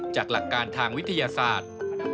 หลักการทางวิทยาศาสตร์